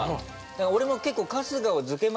俺も結構。